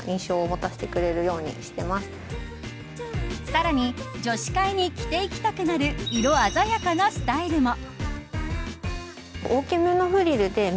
さらに女子会に着て行きたくなる色鮮やかなスタイルも。